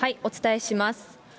お伝えします。